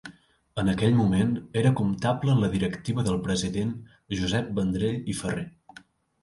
En aquell moment era comptable en la directiva del president Josep Vendrell i Ferrer.